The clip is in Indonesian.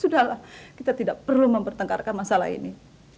sudahlah kita tidak perlu mempertengkarkan masalah ini